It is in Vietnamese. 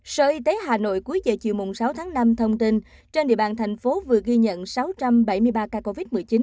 sở y tế hà nội cuối giờ chiều sáu tháng năm thông tin trên địa bàn thành phố vừa ghi nhận sáu trăm bảy mươi ba ca covid một mươi chín